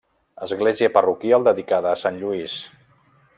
Església parroquial dedicada a Sant Lluís.